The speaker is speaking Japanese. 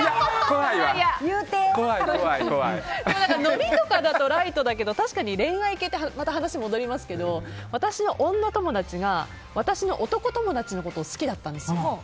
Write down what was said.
のりとかだとライトだけど確かに恋愛系って私の女友達が私の男友達のことを好きだったんですよ。